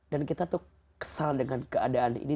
dan kita tuh kesal dengan keadaan ini